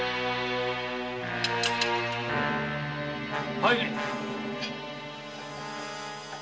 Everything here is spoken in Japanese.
入れ！